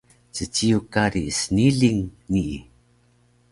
Cciyuk kari sniling nii